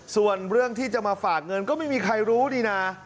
ส่วนเรื่องที่จะมาฝากเงินก็ไม่มีใครรู้ดีนะ